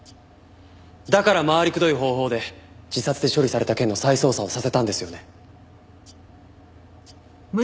だから回りくどい方法で自殺で処理された件の再捜査をさせたんですよね？